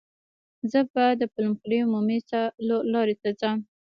زه به د پلخمري عمومي څلور لارې ته ځم.